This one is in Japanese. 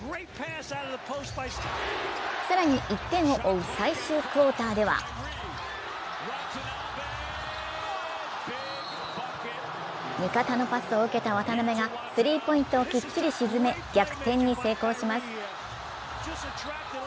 更に１点を追う最終クオーターでは味方のパスを受けた渡邊がスリーポイントをきっちり沈め逆転に成功します。